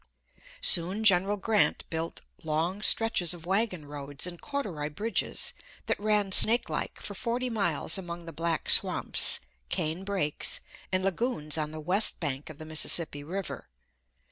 Soon General Grant built long stretches of wagon roads and corduroy bridges that ran snakelike for forty miles among the black swamps, cane brakes, and lagoons on the west bank of the Mississippi River.